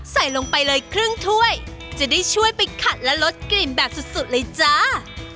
ใส่ลงไปเลยครึ่งถ้วยจะได้ช่วยไปขัดและลดกลิ่นแบบสุดเลยจ้า